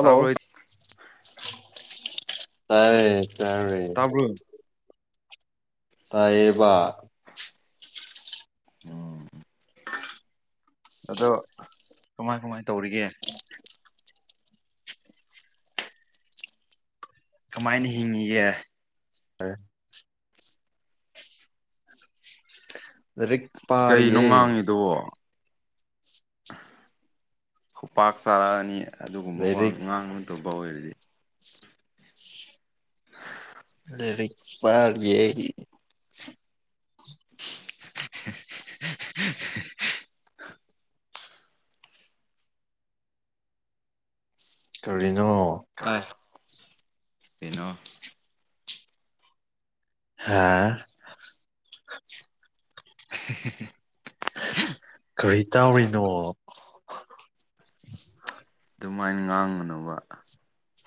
ꯇꯥꯕ꯭ꯔꯣ ꯇꯥꯔꯦ ꯇꯥꯔꯦ ꯇꯥꯕ꯭ꯔꯣ ꯇꯥꯌꯦꯕ ꯎꯝ ꯑꯗꯣ ꯀꯃꯥꯏ ꯀꯃꯥꯏ ꯇꯧꯔꯤꯒꯦ ꯀꯃꯥꯏꯅ ꯍꯤꯡꯉꯤꯒꯦ ꯍꯔꯦ ꯂꯥꯏꯔꯤꯛ ꯀꯩꯅꯣ ꯄꯥꯔꯤꯌꯦ ꯉꯥꯡꯉꯤꯗꯨꯕꯣ ꯈꯨꯄꯥꯛ ꯆꯥꯔꯛꯑꯅꯤ ꯑꯗꯨꯒꯨꯝꯕ ꯋꯥ ꯂꯥꯏꯔꯤꯛ ꯉꯥꯡ ꯗꯣꯝꯕ ꯑꯣꯏꯔꯗꯤ ꯂꯩꯔꯤꯛ ꯄꯥꯔꯤꯌꯦ [inaudible] [unintelligible] ꯀꯔꯤꯅꯣ ꯍꯥꯏ ꯀꯩꯅꯣ ꯍꯥꯥ [unintelligible] ꯀꯔꯤ ꯇꯥꯎꯔꯤꯅꯣ ꯑꯗꯨꯃꯥꯏꯅ ꯉꯥꯡꯒꯅꯨꯕ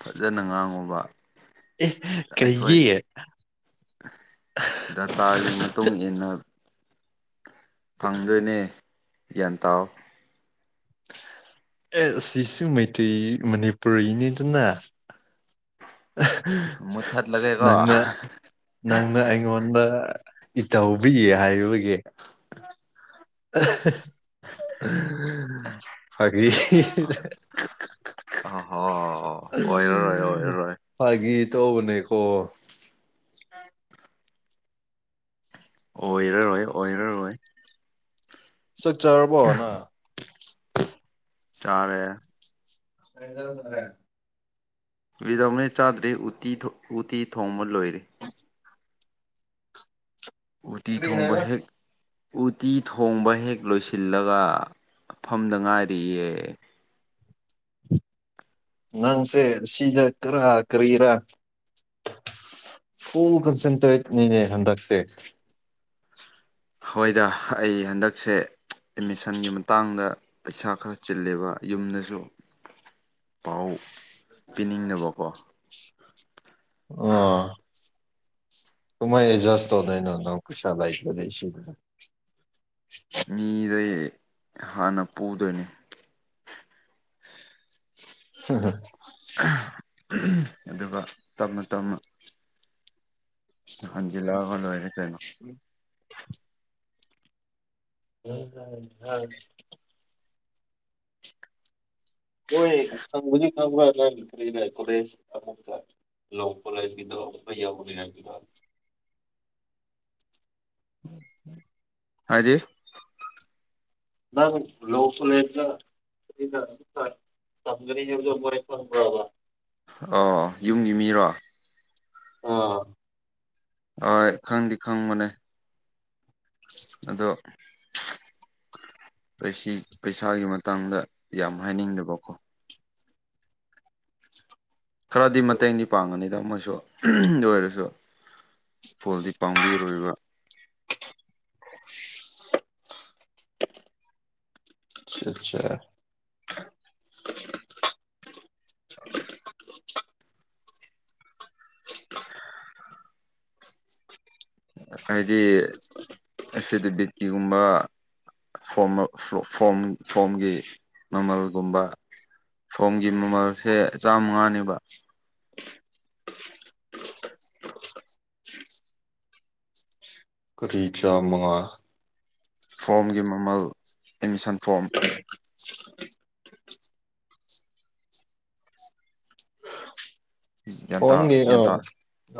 ꯐꯖꯅ ꯉꯥꯡꯉꯣꯕ ꯑꯦ ꯑꯩꯈꯣꯏ ꯀꯩꯒꯤ ꯗꯇꯥꯒꯤ ꯃꯇꯨꯡ ꯏꯟꯅ ꯐꯪꯗꯣꯏꯅꯦ ꯒ꯭ꯌꯥꯟ ꯇꯥꯎ ꯑꯦ ꯁꯤꯁꯨ ꯃꯩꯇꯩ ꯃꯅꯤꯄꯨꯔꯤꯅꯤꯗꯅ ꯑꯍ ꯃꯨꯠꯊꯠꯂꯒꯦꯀꯣ ꯅꯪꯅ ꯅꯪꯅ ꯑꯩꯉꯣꯟꯗ ꯏꯇꯧꯕꯤ ꯍꯥꯏꯕꯒꯤ ꯑꯍꯥ ꯍꯥ ꯐꯥꯒꯤ ꯑꯍꯣ ꯑꯣꯏꯔꯔꯣꯏ ꯑꯣꯏꯔꯔꯣꯏ ꯐꯥꯒꯤ ꯇꯣꯕꯅꯦꯀꯣ ꯑꯣꯏꯔꯔꯣꯏ ꯑꯣꯏꯔꯔꯣꯏ ꯆꯠ ꯆꯥꯔꯕꯣ ꯅꯪ ꯆꯥꯔꯦ [unintelligible] ꯐꯥꯒꯤ ꯇꯧꯕꯅꯦ ꯆꯥꯗ꯭ꯔꯤ ꯎꯇꯤ ꯊꯣ ꯎꯇꯤ ꯊꯣꯡꯕ ꯂꯣꯏꯔꯦ ꯎꯇꯤ ꯀꯔꯤ ꯊꯣꯡꯕ ꯍꯥꯏꯕ ꯍꯦꯛ ꯎꯇꯤ ꯊꯣꯡꯕ ꯍꯦꯛ ꯂꯣꯏꯁꯤꯜꯂꯒ ꯐꯝꯗ ꯉꯥꯏꯔꯤꯌꯦ ꯅꯪꯁꯦ ꯁꯤꯗ ꯀꯔꯥ ꯀꯔꯤꯔ ꯐꯨꯜ ꯀꯟꯁꯟꯇ꯭ꯔꯦꯠ ꯅꯤꯅꯦ ꯍꯟꯗꯛꯁꯦ ꯍꯣꯏꯗ ꯑꯩ ꯍꯟꯗꯛꯁꯦ ꯑꯦꯠꯃꯤꯁꯟꯒꯤ ꯃꯇꯥꯡꯗ ꯄꯩꯁꯥ ꯈꯔ ꯆꯤꯜꯂꯦꯕ ꯌꯨꯝꯗꯁꯨ ꯄꯥꯎ ꯄꯤꯅꯤꯡꯗꯕꯀꯣ ꯑꯣ ꯀꯨꯃꯥꯏ ꯑꯦꯖꯁꯇꯧꯗꯣꯢꯅꯣ ꯅꯪ [unintelligible] ꯃꯤꯗꯩ ꯍꯥꯟꯅ ꯄꯨꯗꯣꯏꯅꯦ ꯍꯝ ꯍꯝ ꯑꯗꯨꯒ ꯇꯞꯅ ꯇꯞꯅ ꯍꯖꯤꯜ ꯂꯛ ꯑꯒ ꯑꯣꯏꯔꯦ ꯀꯩꯅꯣ ꯎꯝ [unintelligible] [unintelligible] ꯂꯣ ꯀꯣꯂꯦꯖꯀꯤꯗꯣ ꯑꯩꯈꯣꯏ ꯌꯥꯎꯕꯅꯦ ꯍꯥꯏꯗꯨꯗ ꯍꯥꯏꯗꯤ ꯅꯪ ꯂꯣ ꯀꯣꯂꯦꯖꯂꯥ [unintelligible] ꯍꯥ ꯌꯨꯝꯒꯤ ꯃꯤꯔꯣ ꯑꯥ ꯍꯣꯏ ꯈꯪꯗꯤ ꯈꯪꯕꯅꯦ ꯑꯗꯣ ꯄꯩꯁꯤ ꯄꯩꯁꯥꯒꯤ ꯃꯇꯥꯡꯗ ꯌꯥꯝ ꯍꯥꯏꯅꯤꯡꯗꯕꯀꯣ ꯈꯔꯗꯤ ꯃꯇꯦꯡꯗꯤ ꯄꯥꯡꯅꯤꯗ ꯑꯃꯁꯨ ꯑꯗꯨ ꯑꯣꯏꯔꯁꯨ ꯐꯣꯟꯗꯤ ꯄꯥꯡꯕꯤꯔꯣꯏꯕ [unintelligible] ꯍꯥꯏꯗꯤ ꯑꯁꯤꯗ ꯕꯤꯠꯀꯤꯒꯨꯝꯕ ꯐꯣꯝꯃꯥ ꯐꯣꯜ ꯐꯣꯝꯒꯤ ꯃꯃꯜꯒꯨꯝꯕ ꯐꯣꯝꯒꯤ ꯃꯃꯜꯁꯦ ꯆꯥꯝꯃꯉꯥꯅꯦꯕ ꯀꯔꯤꯆꯥꯥ ꯃꯉꯥ ꯐꯣꯝꯒꯤ ꯃꯃꯜ ꯑꯦꯠꯃꯤꯁꯟ ꯐꯣꯔꯝ ꯒ꯭ꯌꯥꯟꯇꯥ ꯐꯣꯟꯒꯤ ꯑꯥ ꯒ꯭ꯌꯥꯟꯇꯥ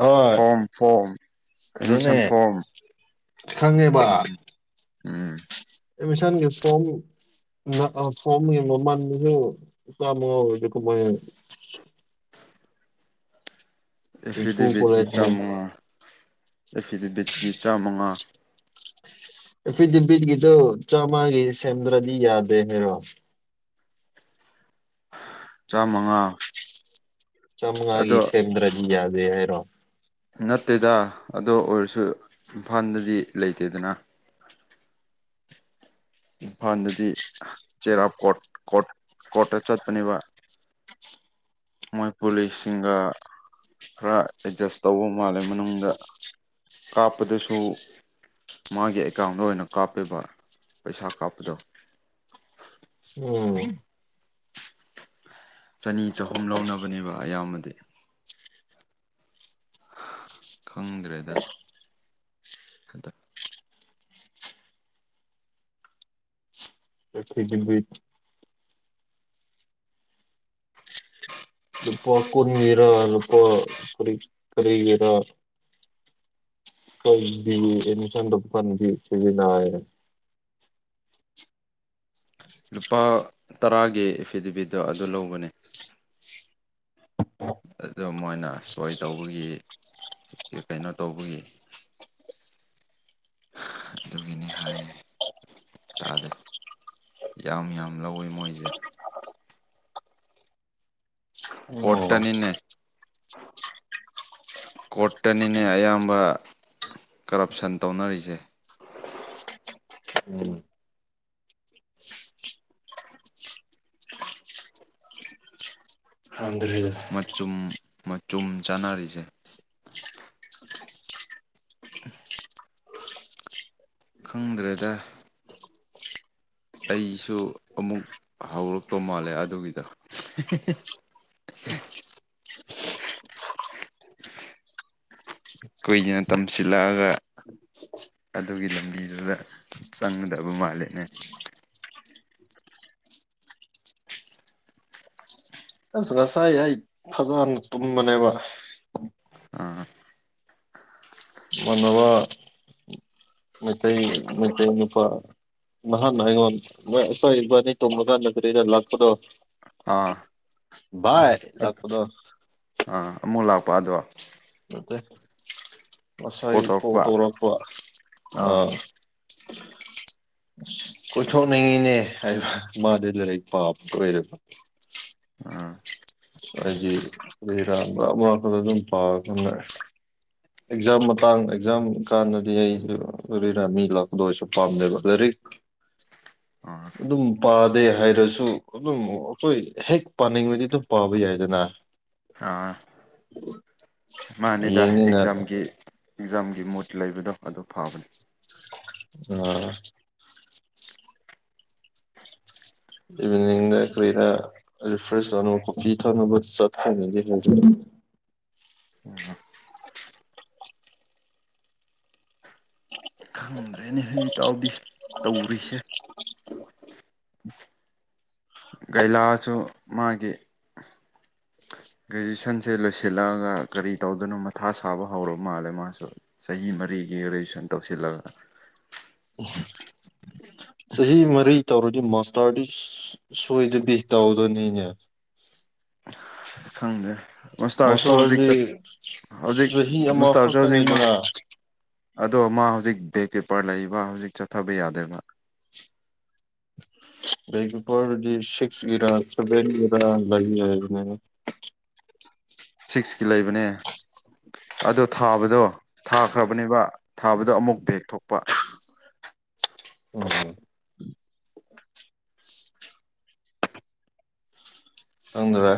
ꯑꯥ ꯐꯣꯔꯝ ꯐꯣꯔꯝ ꯑꯗꯨꯨꯅꯦ ꯑꯦꯠꯃꯤꯁꯟ ꯐꯣꯔꯝ ꯈꯪꯉꯦꯕ ꯎꯝ ꯑꯦꯃꯤꯁꯟ [unintelligible] [unintelligible] ꯍꯨꯏꯐꯨ ꯢꯐꯤꯗꯦꯕꯤꯠꯀꯤ ꯄꯨꯔꯛꯑꯦ ꯆꯥꯝꯃꯉꯥ ꯢꯐꯤꯗꯦꯕꯤꯠꯀꯤ ꯆꯥꯝꯃꯉꯥ ꯏꯐꯤꯗꯦꯕꯤꯠ ꯀꯤꯗꯣ ꯆꯥꯝꯒꯤ ꯁꯦꯝꯗ꯭ꯔꯗꯤ ꯌꯥꯗꯦ [unintelligible] ꯆꯥꯝꯃꯉꯥ ꯆꯥꯝꯃꯉꯥꯒꯤ ꯑꯗꯣ ꯁꯦꯝꯗ꯭ꯔꯗꯤ ꯌꯥꯗꯦ ꯍꯥꯏꯔꯣ ꯅꯠꯇꯦꯗ ꯑꯗꯨ ꯑꯣꯏꯔꯁꯨ ꯏꯝꯐꯥꯜꯗꯗꯤ ꯂꯩꯇꯦꯗꯅ ꯏꯝꯐꯥꯜꯗꯗꯤ ꯆꯦꯔꯥꯞ ꯀꯣꯔꯠ ꯀꯣꯔꯠ ꯀꯣꯔꯠꯇ ꯆꯠꯄꯅꯦꯕ ꯃꯣꯏ ꯄꯨꯂꯤꯁꯁꯤꯡꯒ ꯈꯔ ꯑꯦꯠꯖꯁ ꯇꯧꯕ ꯃꯥꯜꯂꯦ ꯃꯅꯨꯡꯗ ꯀꯥꯞꯄꯗꯁꯨ ꯃꯥꯒꯤ ꯑꯦꯀꯥꯎꯟꯗ ꯑꯣꯏꯅ ꯀꯥꯞꯄꯕ ꯄꯩꯁꯥ ꯀꯥꯞꯄꯗꯣ ꯎꯝ ꯆꯅꯤ ꯆꯍꯨꯝ ꯂꯧꯅꯕꯅꯦꯕ ꯑꯌꯥꯝꯕꯗꯤ ꯈꯪꯗ꯭ꯔꯦꯗ ꯑꯗ [unintelligible] ꯊ ꯑꯗꯨ [unintelligible] ꯂꯨꯄꯥ ꯀꯨꯟꯒꯤꯔꯥ ꯂꯨꯄꯥ ꯀꯨꯔꯤ ꯀꯔꯤꯒꯤꯔ ꯀꯕꯤ ꯏꯅꯤ ꯁꯥꯟꯗꯄꯕꯤ ꯁꯤꯒꯤꯅ [unintelligible] ꯂꯨꯄꯥ ꯇꯔꯥꯒꯤ ꯑꯦꯐꯤꯗꯦꯕꯤꯠꯇꯣ ꯑꯗꯨ ꯂꯧꯕꯅꯦ ꯑꯗꯨ ꯃꯣꯏꯅ ꯁꯣꯏ ꯇꯧꯕꯒꯤ ꯀꯩꯅꯣ ꯇꯧꯕꯒꯤ ꯑꯗꯨꯒꯤꯅꯤ ꯍꯥꯏ ꯇꯥꯗꯦ ꯌꯥꯝ ꯌꯥꯝ ꯂꯧꯋꯤ ꯃꯣꯏꯁꯦ ꯑꯣ ꯀꯣꯔꯠꯇꯅꯤꯅꯦ ꯀꯣꯔꯠꯇꯅꯤꯅꯦ ꯑꯌꯥꯝꯕ ꯀꯔꯞꯁꯟ ꯇꯧꯅꯔꯤꯁꯦ ꯎꯝ ꯈꯪꯗꯔꯦꯗ ꯃꯆꯨꯝ ꯃꯆꯨꯝ ꯆꯥꯟꯅꯔꯤꯁꯦ ꯎꯝ ꯈꯪꯗ꯭ꯔꯦꯗ ꯑꯩꯁꯨ ꯑꯃꯨꯛ ꯍꯧꯔꯛꯇꯧ ꯃꯥꯜꯂꯦ ꯑꯗꯨꯒꯤꯗꯣ [unintelligible] [inaudible] [inaudible] ꯀꯨꯏꯅ ꯇꯝꯁꯤꯜꯂꯛꯑꯒ ꯑꯗꯨꯒꯤ ꯂꯝꯕꯤꯗꯨꯗ ꯆꯪꯒꯗꯕ ꯃꯥꯂꯤꯅꯦ ꯑꯁ ꯉꯁꯥꯏ ꯑꯩ ꯐꯖꯅ ꯇꯨꯝꯕꯅꯦꯕ ꯑ ꯃꯅꯅꯕ ꯃꯩꯇꯩ ꯃꯩꯇꯩ ꯅꯨꯄꯥ ꯅꯍꯥꯟ ꯑꯩꯉꯣꯟ ꯃꯣꯏ ꯑꯁꯣꯏ ꯕꯅꯤ ꯇꯨꯝꯃꯒꯥꯟꯗ ꯀꯔꯤꯔ ꯂꯥꯛꯄꯗꯣ ꯑꯥ ꯚꯥꯏ ꯂꯥꯛꯄꯗꯣ ꯑꯥ ꯑꯃꯨꯛ ꯂꯥꯛꯄ ꯑꯗꯣ ꯉꯁꯥꯏ ꯀꯣꯜ ꯇꯧꯔꯛꯄ ꯑꯥ ꯀꯣꯏꯊꯣꯛꯅꯤꯡꯉꯤꯅꯦ ꯃꯥꯗ ꯂꯥꯏꯔꯤꯛ ꯄꯥꯕꯗ ꯑꯣꯏꯔꯕ ꯑꯥ [inaudible] [inaudible] ꯗ ꯑꯗꯨꯝ ꯄꯥꯅꯦ [unintelligible] ꯑꯦꯛꯖꯥꯝ ꯃꯇꯥꯡ ꯑꯦꯛꯖꯥꯝ ꯀꯥꯟꯗꯗꯤ ꯑꯩꯁꯨ ꯀꯔꯤꯔ ꯃꯤ ꯂꯥꯛꯄꯗ ꯑꯩꯁꯨ ꯄꯥꯝꯗꯦꯕ ꯂꯥꯏꯔꯤꯛ ꯑꯥ ꯑꯗꯨꯝ ꯄꯥꯗꯦ ꯍꯥꯏꯔꯁꯨ ꯑꯗꯨꯝ ꯑꯩꯈꯣꯏ ꯍꯦꯛ ꯄꯥꯅꯤꯡꯉꯗꯤ ꯑꯗꯨꯝ ꯄꯥꯕ ꯌꯥꯏꯗꯅ ꯑꯥ ꯃꯥꯅꯤꯗ ꯍꯌꯦꯡꯅꯤꯅ ꯑꯦꯛꯖꯥꯝꯒꯤ ꯑꯦꯛꯖꯥꯝꯒꯤ ꯃꯨꯠ ꯂꯩꯕꯗꯣ ꯑꯗꯨ ꯐꯕꯅꯤ ꯑ ꯏꯚꯤꯅꯤꯡꯗ ꯀꯔꯤꯗ ꯔꯤꯐ꯭ꯔꯦꯁ ꯇꯧꯅ ꯀꯣꯐꯤ ꯊꯥꯛꯅꯕ ꯆꯠ ꯈꯅ ꯎ ꯈꯪꯗ꯭ꯔꯦꯅꯦ ꯏꯇꯥꯎꯕꯤ ꯇꯧꯔꯤꯁꯦ ꯒꯩꯂꯥꯁꯨ ꯃꯥꯒꯤ [inaudible] ꯒ꯭ꯔꯦꯖꯨꯑꯁꯟꯁꯦ ꯂꯣꯏꯁꯤꯜꯂꯛꯑꯒ ꯀꯔꯤ ꯇꯧꯗꯅꯣ ꯃꯊꯥ ꯁꯥꯕ ꯍꯧꯔꯕ ꯃꯥꯜꯂꯦ ꯃꯥꯁꯨ꯫ ꯆꯍꯤ ꯃꯔꯤꯒꯤ ꯒ꯭ꯔꯦꯖꯨꯌꯦꯁꯟ ꯇꯧꯁꯤꯜꯂꯒ꯫ ꯆꯍꯤ ꯃꯔꯤ ꯇꯧꯔꯗꯤ ꯃꯥꯁꯇꯔꯗꯤ ꯁꯣꯏꯗꯕꯤ ꯇꯧꯗꫭꯅꯤꯅꯦ꯫ ꯈꯪꯗꯦ꯫ ꯃꯁꯇꯥꯔꯁꯨ ꯍꯧꯖꯤꯛ ꯃꯥꯁꯇꯔꯗꯤ ꯆꯠ ꯍꯧꯖꯤꯛ ꯆꯍꯤ ꯃꯁꯇꯥꯔꯁꯨ ꯍꯧꯖꯤꯛ ꯃꯥ ꯑꯃꯈꯛꯇꯅꯤꯗꯅ ꯑꯗꯣ ꯃꯥ ꯍꯧꯖꯤꯛ ꯕꯦꯛ ꯄꯦꯄꯔ ꯂꯩꯕ ꯍꯧꯖꯤꯛ ꯆꯠꯊꯕ ꯌꯥꯗꯦꯕ꯫ ꯕꯦꯛ ꯄꯦꯄꯔꯗꯤ ꯁꯤꯛꯁ ꯏꯔ ꯁꯚꯦꯟꯒꯤꯔ ꯂꯩꯌꯦ ꯍꯥꯏꯕꯅꯤꯅꯦ꯫ ꯁꯤꯛꯁꯀꯤ ꯂꯩꯕꯅꯦ꯫ ꯑꯗꯣ ꯊꯥꯕꯗꯣ ꯊꯥꯈ꯭ꯔꯕꯅꯦꯕ ꯊꯥꯕꯗꯣ ꯑꯃꯨꯛ ꯕꯦꯛ ꯊꯣꯛꯄ꯫ ꯑꫭ꯫ ꯈꯪꯗꯔꯦ꯫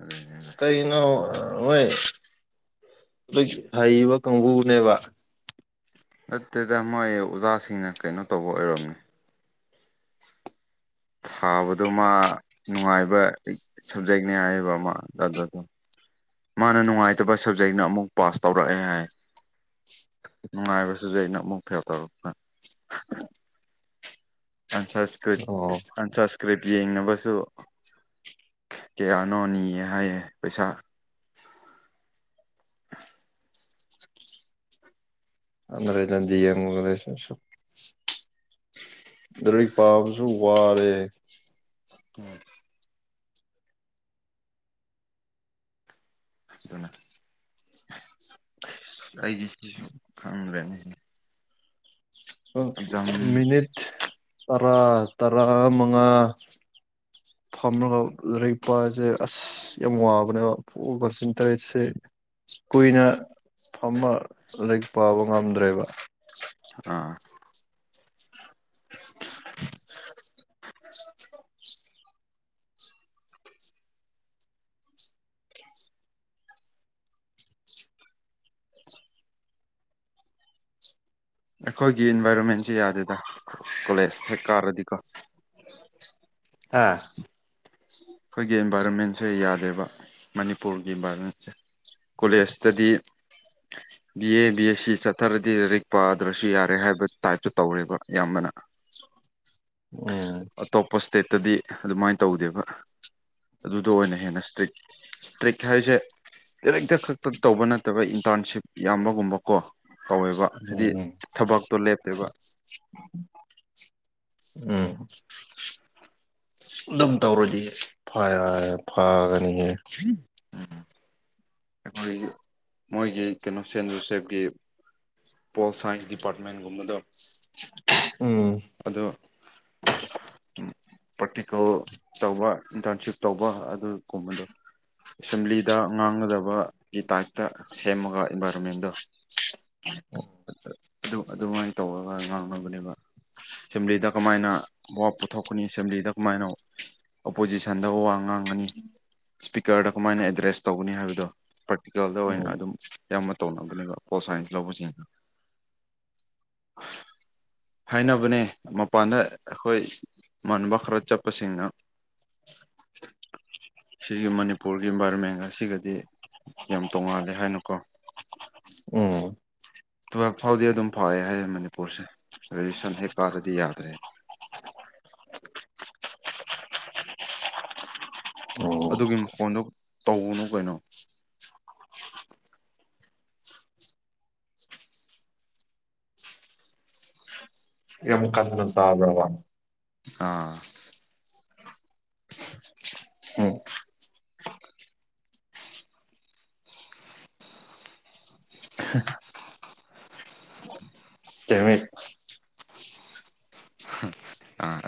ꯑꯗꯨꯏꯅꯤ꯫ ꯀꯩꯅꯣ ꯍꯣꯏ ꯍꯩꯕ ꯀꯥꯡꯕꯨꯅꯦꯕ꯫ ꯅꯠꯇꯦꯗ ꯃꯣꯏ ꯑꯣꯖꯥꯁꯤꯡꯅ ꯀꯩꯅꯣ ꯇꯧꯕ ꯑꯣꯏꯔꯝꯅꯤ꯫ ꯊꯥꯕꯗꯣ ꯃꯥ ꯅꯨꯡꯉꯥꯏꯕ ꯁꯕꯖꯦꯛꯅꯤ ꯍꯥꯏꯑꯦꯕ ꯑꯃ ꯑꯗꯥꯗ꯫ ꯃꯥꯅ ꯅꯨꯡꯉꯥꯏꯇꯕ ꯁꯕꯖꯦꯛꯅ ꯑꯃꯨꯛ ꯄꯥꯁ ꯇꯧꯔꯛꯑꯦ ꯍꯥꯏ꯫ ꯅꯨꯡꯉꯥꯏꯕ ꯁꯕꯖꯦꯛꯅ ꯑꯃꯨꯛ ꯐꯦꯜ ꯇꯧꯔꯛꯄ꯫ ꯑꯟꯁꯁꯀ꯭ꯔꯤꯠ ꯑꯣ ꯑꯟꯁꯁꯀ꯭ꯔꯤꯠ ꯌꯦꯡꯅꯕꯁꯨ ꯀꯌꯥꯅꯣ ꯅꯤꯌꯦ ꯍꯥꯏꯌꯦ ꯄꯩꯁꯥ꯫ [inaudible] ꯂꯔꯤꯛ ꯄꯥꯕꯁꯨ ꯋꯥꯔꯦ꯫ ꯎꯝ ꯑꯗꯨꯅ ꯑꯁ ꯑꯩꯗꯤ ꯁꯤꯁꯨ ꯈꯪꯗ꯭ꯔꯦꯅꯦ꯫ ꯑꯦꯛꯖꯥꯝ [inaudible] ꯃꯤꯅꯤꯠ ꯇꯔꯥ ꯇꯔꯥꯃꯉꯥ ꯐꯝꯃꯒ ꯂꯔꯤꯛ ꯄꯥꯁꯦ ꯑꯁ꯫ ꯌꯥꯝ ꯋꯥꯕꯅꯦꯕ ꯄꯨ ꯀꫭꯁꯤꯟ ꯇꯔꯦꯠꯁꯦ꯫ ꯀꯨꯏꯅ ꯐꯝꯃ ꯂꯩꯔꯤꯛ ꯄꯥꯕ ꯉꯝꯗ꯭ꯔꯦꯕ꯫ ꯑꯥ꯫ [inaudible] ꯑꯈꯣꯏꯒꯤ ꯏꯟꯚꯥꯏꯔꯣꯟꯃꯦꯟꯁꯦ ꯌꯥꯗꯦꯗ ꯀꯣꯂꯦꯖ ꯍꯦꯛ ꯀꯥꯔꯗꯤꯀꯣ꯫ ꯍꯥ꯫ ꯑꯈꯣꯏꯒꯤ ꯏꯟꯚꯥꯏꯔꯣꯟꯃꯦꯟꯁꯦ ꯌꯥꯗꯦꯕ ꯃꯅꯤꯄꯨꯔꯒꯤ ꯏꯟꯚꯥꯏꯔꯣꯟꯃꯦꯟꯁꯦ꯫ ꯀꯣꯂꯦꯖꯇꯗꯤ [unintelligible] B A B S C ꯆꯠꯊꯔꯗꯤ ꯂꯥꯏꯔꯤꯛ ꯄꯥꯗ꯭ꯔꯁꯨ ꯌꯥꯔꯦ ꯍꯥꯏꯕ ꯇꯥꯏꯞꯇꯨ ꯇꯧꯔꯦꯕ ꯑꯌꯥꯝꯕꯅ꯫ ꯎꯝ ꯄꯣꯁꯇꯦꯠꯇꯗꯤ ꯑꯗꯨꯃꯥꯏꯟ ꯇꯧꯗꯦꯕ꯫ ꯑꯗꯨ ꯑꯣꯏꯅ ꯍꯦꯟꯅ ꯏꯁꯇ꯭ꯔꯤꯛ ꯏꯁꯇ꯭ꯔꯤꯛ ꯍꯥꯏꯁꯦ ꯂꯔꯤꯛꯇ ꯈꯛꯇ ꯇꯧꯕ ꯅꯠꯇꯕ ꯏꯟꯇꯔꯟꯁꯤꯞ ꯌꯥꯝꯕꯒꯨꯝꯕ ꯀꯣ꯫ ꯇꯧꯋꯦꯕ ꯍꯥꯏꯗꯤ ꯎꯝ ꯊꯕꯛꯇꯣ ꯂꯦꯞꯇꯦꯕ꯫ ꯎꯝ ꯑꯗꯨꯝ ꯇꯧꯔꯣꯗꯤ ꯐ ꯐꯒꯅꯤꯍꯦ꯫ ꯑꯈꯣꯏꯒꯤ ꯃꯣꯏꯒꯤ ꯀꯩꯅꯣ ꯁꯦꯟ ꯖꯨꯁꯦꯞꯒꯤ ꯄꯣꯜ ꯁꯥꯏꯟꯁ ꯗꯤꯄꯥꯔꯠꯃꯦꯟꯒꯨꯝꯕꯗꯣ ꯎꯝ ꯑꯗꯣ ꯄ꯭ꯔꯥꯛꯇꯤꯀꯦꯜ ꯇꯧꯕ ꯏꯟꯇꯔꯟꯁꯤꯞ ꯇꯧꯕ ꯑꯗꯨꯒꯨꯝꯕꯗꯣ ꯑꯦꯁꯦꯝꯕ꯭ꯂꯤꯗ ꯉꯥꯡꯒꯗꯕꯒꯤ ꯇꯥꯏꯞꯇ ꯁꯦꯝꯃꯒ ꯏꯟꯚꯥꯏꯔꯣꯟꯃꯦꯟꯗꯣ ꯑꯗꯨ ꯑꯗꯨꯃꯥꯏꯅ ꯇꯧꯔꯒ ꯉꯥꯡꯅꯕꯅꯦꯕ ꯑꯦꯁꯦꯝꯕ꯭ꯂꯤꯗ ꯀꯃꯥꯏꯅ ꯋꯥꯛ ꯄꯨꯊꯣꯛꯀꯅꯤ ꯑꯦꯁꯦꯝꯕ꯭ꯂꯤꯗ ꯀꯃꯥꯏꯅ ꯑꯣꯄꯣꯖꯤꯁꯟꯗ ꯋꯥ ꯉꯥꯡꯒꯅꯤ ꯏꯁꯄꯤꯀꯔꯗ ꯀꯃꯥꯏꯅ ꯑꯦꯗ꯭ꯔꯦꯁ ꯇꯧꯒꯅꯤ ꯍꯥꯏꯕꯗꯣ ꯄ꯭ꯔꯥꯛꯇꯤꯀꯦꯜꯗ ꯑꯣꯏꯅ ꯎꯝ ꯑꯗꯨꯝ ꯌꯥꯝꯅ ꯇꯧꯅꯕꯅꯦꯕ ꯄꯣꯜꯁꯥꯏꯟꯁ ꯂꯧꯕꯁꯤꯡꯅ [unintelligible] ꯍꯥꯏꯅꯕꯅꯦ ꯃꯄꯥꯟꯗ ꯑꯩꯈꯣꯏ ꯏꯃꯥꯟꯅꯕ ꯈꯔ ꯆꯠꯄꯁꯤꯡꯅ [unintelligible] ꯁꯤꯒꯤ ꯃꯅꯤꯄꯨꯔꯒꯤ ꯏꯟꯚꯥꯏꯔꯣꯟꯃꯦꯟꯒ ꯑꯁꯤꯒꯗꯤ ꯌꯥꯝ ꯇꯣꯡꯉꯥꯜꯂꯦ ꯍꯥꯏꯅꯨꯀꯣ ꯎꯝ ꯇꯨꯌꯦꯜꯐ ꯐꯥꯎꯗꯤ ꯑꯗꯨꯝ ꯐꯥꯎꯑꯦ ꯍꯥꯏꯌꯦ ꯃꯅꯤꯄꯨꯔꯁꯦ ꯔꯦꯖꯨꯁꯟ ꯍꯦꯛ ꯀꯥꯔꯗꯤ ꯌꯥꯗ꯭ꯔꯦ ꯎꯝ ꯑꯗꯨꯒꯤ ꯃꯈꯣꯟꯗꯨ ꯇꯧꯒꯅꯨ ꯀꯩꯅꯣ ꯌꯃ ꯀꯥꯟꯅ ꯇꯕ꯭ꯔꯕ ꯑꯥ ꯎꯝ [unintelligible] ꯑꯥ